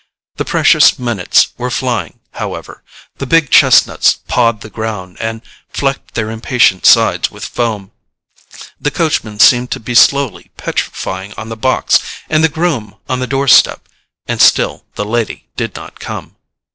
The precious minutes were flying, however; the big chestnuts pawed the ground and flecked their impatient sides with foam; the coachman seemed to be slowly petrifying on the box, and the groom on the doorstep; and still the lady did not come.